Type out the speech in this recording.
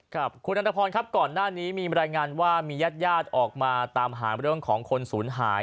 ครับคุณอันทพรครับก่อนหน้านี้มีรายงานว่ามีญาติญาติออกมาตามหาเรื่องของคนศูนย์หาย